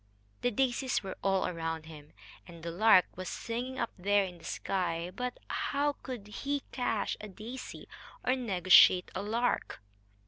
The daisies were all around him, and the lark was singing up there in the sky. But how could he cash a daisy or negotiate a lark?